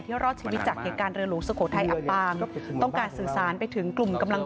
ที่รอดชีวิตจากเอกการเรลุสุโขทัยอัปปางต้องการสื่อสารไปถึงกลุ่มกำลัง